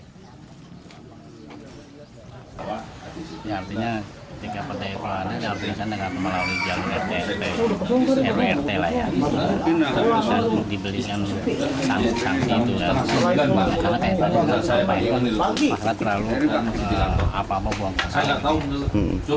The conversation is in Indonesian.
prt yang diperusaha dibeli dengan sampah itu tidak terlalu terlalu apa apa buang sampah